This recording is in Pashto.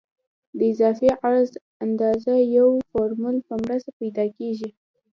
د اضافي عرض اندازه د یو فورمول په مرسته پیدا کیږي